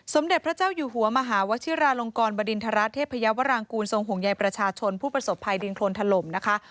สมเด็จพระเจ้าอยู่หัวมหาวชิราลงกรบริณฑระเทพยาวรางกูลทรงห่วงใยประชาชนผู้ประสบภัยดินโครนถล่มนะคะ